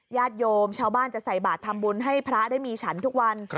ญาติโยมชาวบ้านจะใส่บาททำบุญให้พระได้มีฉันทุกวัน